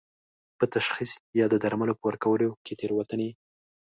په تشخیص یا د درملو په ورکولو کې تېروتنې